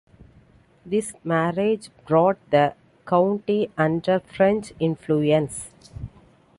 This marriage brought the county under French influence.